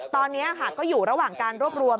ตอนนี้ก็อยู่ระหว่างการรวบรวม